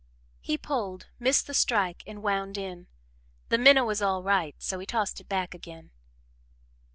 He pulled, missed the strike, and wound in. The minnow was all right, so he tossed it back again.